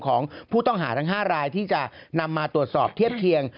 ของผู้ต้องหาทั้ง๕รายที่จะนำมาตรวจสอบเทียบเคียง